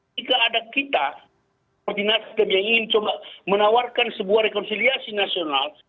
jika ada kita seperti nasdem yang ingin coba menawarkan sebuah rekonsiliasi nasional